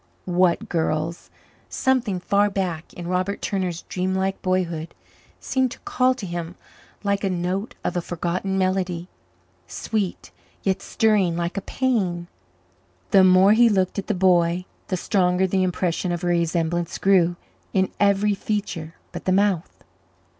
What girl's? Something far back in Robert Turner's dreamlike boyhood seemed to call to him like a note of a forgotten melody, sweet yet stirring like a pain. The more he looked at the boy the stronger the impression of a resemblance grew in every feature but the mouth.